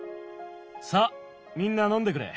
さあみんな飲んでくれ。